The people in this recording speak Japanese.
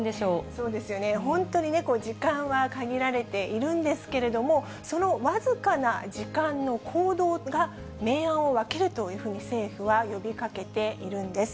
そうですよね、本当に時間は限られているんですけれども、その僅かな時間の行動が、明暗を分けるというふうに政府は呼びかけているんです。